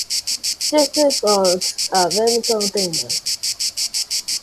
This results in a vertical channel.